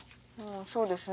そうですね。